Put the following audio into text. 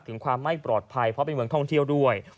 ถึงความไม่ปลอดภัยเพราะเป็นเมืองท่องเที่ยวด้วย